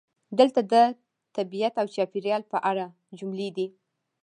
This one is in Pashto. دلته د "طبیعت او چاپیریال" په اړه جملې دي: